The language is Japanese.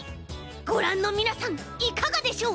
ごらんのみなさんいかがでしょう？